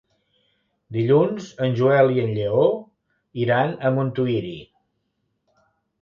Dilluns en Joel i en Lleó iran a Montuïri.